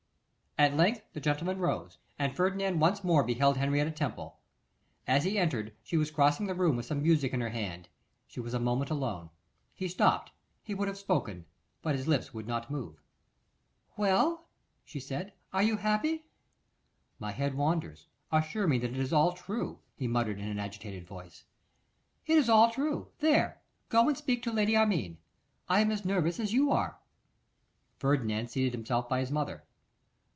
At length the gentlemen rose, and Ferdinand once more beheld Henrietta Temple. As he entered, she was crossing the room with some music in her hand, she was a moment alone. He stopped, he would have spoken, but his lips would not move. 'Well,' she said, 'are you happy?' 'My head wanders. Assure me that it is all true,' he murmured in an agitated voice. 'It is all true; there, go and speak to Lady Armine. I am as nervous as you are.' Ferdinand seated himself by his mother.